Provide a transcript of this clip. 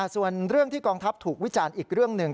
ส่วนเรื่องที่กองทัพถูกวิจารณ์อีกเรื่องหนึ่ง